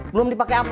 belum dipake apa apa